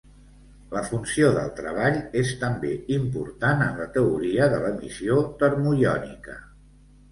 La funció de treball és també important en la teoria de l'emissió termoiònica.